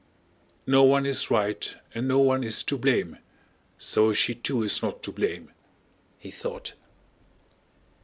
"No one is right and no one is to blame; so she too is not to blame," he thought.